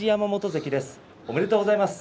関ですおめでとうございます。